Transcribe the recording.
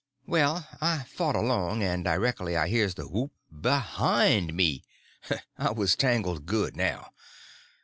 Well, I fought along, and directly I hears the whoop behind me. I was tangled good now.